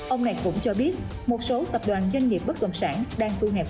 ông này cũng cho biết một số tập đoàn doanh nghiệp bất động sản đang thu hẹp